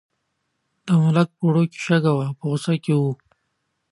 د ملک په وړو کې شګه وه په غوسه کې و.